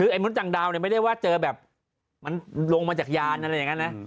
ไอ้มดจังดาวเนี่ยไม่ได้ว่าเจอแบบมันลงมาจากยานอะไรอย่างนั้นนะ